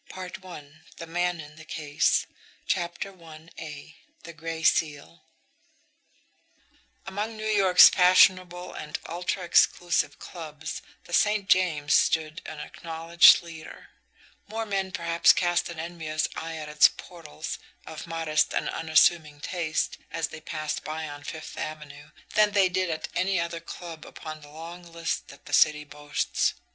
PART ONE: THE MAN IN THE CASE CHAPTER I THE GRAY SEAL Among New York's fashionable and ultra exclusive clubs, the St. James stood an acknowledged leader more men, perhaps, cast an envious eye at its portals, of modest and unassuming taste, as they passed by on Fifth Avenue, than they did at any other club upon the long list that the city boasts.